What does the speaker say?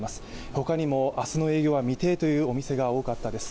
他にも明日の営業は未定というお店が多かったです。